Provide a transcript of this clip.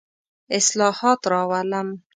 اصلاحات راولم.